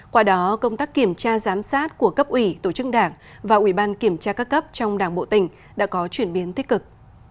qua đó công tác kiểm tra giám sát của cấp ủy tổ chức đảng và ủy ban kiểm tra các cấp trong đảng bộ tỉnh đã có chuyển biến tích cực